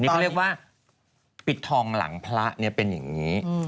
นี่ก็เรียกว่าปิดทองหลังพระเนี่ยเป็นอย่างนี้